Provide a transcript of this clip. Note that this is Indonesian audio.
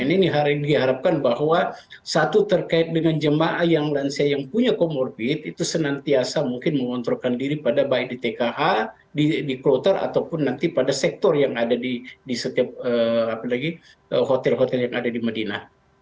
ini diharapkan bahwa satu terkait dengan jemaah yang lansia yang punya comorbid itu senantiasa mungkin mengontrolkan diri pada baik di tkh di kloter ataupun nanti pada sektor yang ada di setiap hotel hotel yang ada di medina